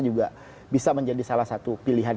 juga bisa menjadi salah satu pilihan